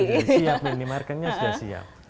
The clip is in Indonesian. marketnya sudah siap ini marketnya sudah siap